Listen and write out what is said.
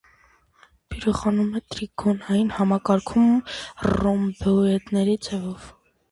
Բյուրեղանում է տրիգոնային համակարգում՝ ռոմբոէդրերի ձևով։